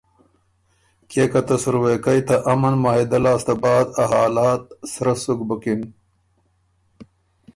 کيې که ته سُروېکئ ته امن معاهدۀ لاسته بعد ا حالات سرۀ سُک بُکِن